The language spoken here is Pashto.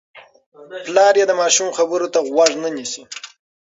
پلار یې د ماشوم خبرو ته غوږ نه نیسي.